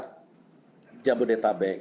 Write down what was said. satu area jabodetabek